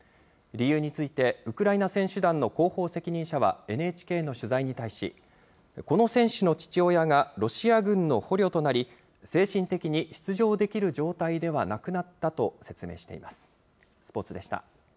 理由について、ウクライナ選手団の広報責任者は、ＮＨＫの取材に対し、この選手の父親がロシア軍の捕虜となり、精神的に出場できる状態ではなくなったと説明しています。